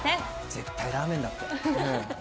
絶対ラーメンだって。